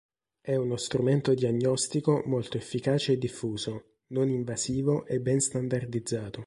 È uno strumento diagnostico molto efficace e diffuso, non invasivo e ben standardizzato.